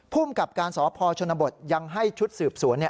ภูมิกับการสพชนบทยังให้ชุดสืบสวน